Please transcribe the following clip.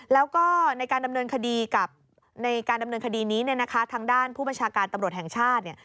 แล้วก็ในการดำเนินคดีนี้ทางด้านผู้บัญชาการตำรวจแห่งชาติ